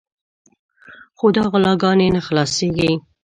خو دا غلاګانې نه خلاصېږي.